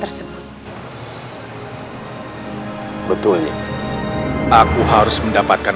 keris ini benar benar luar biasa